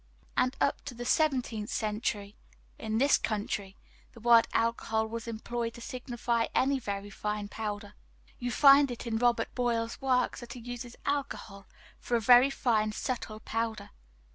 And up to the 17th century in this country the word alcohol was employed to signify any very fine powder; you find it in Robert Boyle's works that he uses "alcohol" for a very fine subtle powder.